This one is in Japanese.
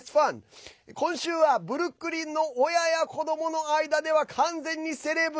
今週はブルックリンの親や子どもの間では完全にセレブ！